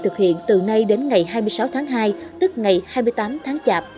thực hiện từ nay đến ngày hai mươi sáu tháng hai tức ngày hai mươi tám tháng chạp